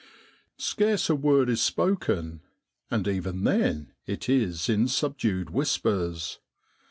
Scarce a word is spoken; and even then it is in subdued whispers.